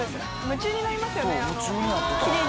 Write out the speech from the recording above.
夢中になりますよね